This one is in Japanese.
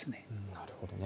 なるほどね。